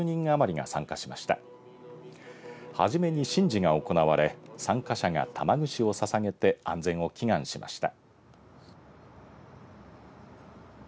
はじめに神事が行われ参加者が玉串をささげて安全を祈願しました。